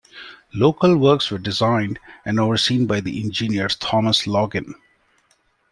Local works were designed and overseen by the engineer Thomas Login.